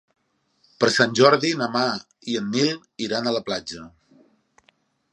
Per Sant Jordi na Mar i en Nil iran a la platja.